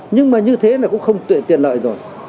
nhưng mà như thế là cũng không tuyển tiện lợi rồi